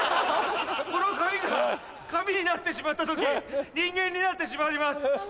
この髪が髪になってしまった時人間になってしまいます。